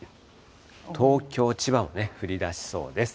東京、千葉もね、降りだしそうです。